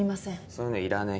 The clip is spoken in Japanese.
そういうのいらねえ。